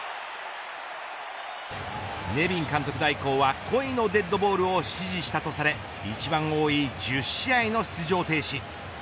ネビン監督代行は故意のデッドボールを指示したとされ一番多い１０試合の出場停止。